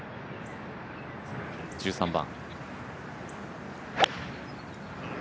１３番。